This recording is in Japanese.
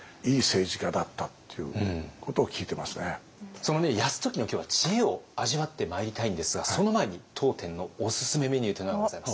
その泰時の今日は知恵を味わってまいりたいんですがその前に当店のおすすめメニューというのがございます。